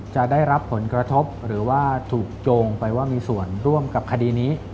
จะได้รับผลกระทบหรือว่าถูกโจงไปว่ามีส่วนร่วมกับคดีนี้